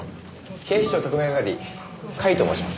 警視庁特命係甲斐と申します。